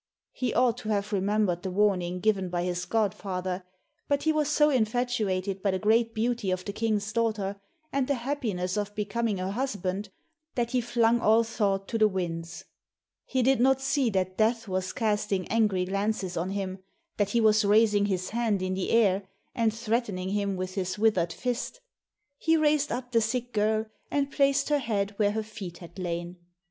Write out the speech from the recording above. He ought to have remembered the warning given by his godfather, but he was so infatuated by the great beauty of the King's daughter, and the happiness of becoming her husband, that he flung all thought to the winds. He did not see that Death was casting angry glances on him, that he was raising his hand in the air, and threatening him with his withered fist. He raised up the sick girl, and placed her head where her feet had lain.